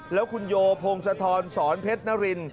แล้วคุณโยพงศธรสอนเพชรนริน